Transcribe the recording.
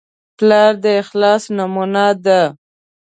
پلار د اخلاص نمونه ده.